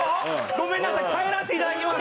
ごめんなさい、帰らせていただきます。